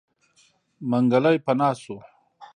منګلی پناه شو.